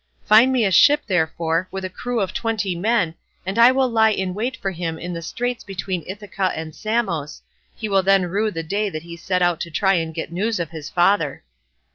Find me a ship, therefore, with a crew of twenty men, and I will lie in wait for him in the straits between Ithaca and Samos; he will then rue the day that he set out to try and get news of his father."